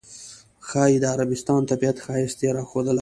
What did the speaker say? ښایي د عربستان طبیعت ښایست یې راښودله.